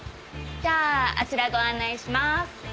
じゃああちらご案内します。